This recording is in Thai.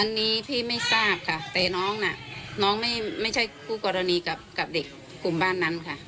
อันนี้พี่ไม่ทราบค่ะแต่น้องน่ะน้องไม่ใช่คู่กรณีกับเด็กกลุ่มบ้านนั้นค่ะ